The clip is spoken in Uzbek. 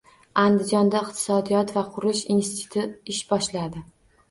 Andijonda Iqtisodiyot va qurilish instituti ish boshladi